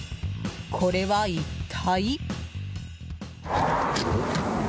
これは、一体。